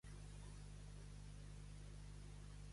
D'anar amb els nuvis a l'òmnibus gairebé l'àvia sua.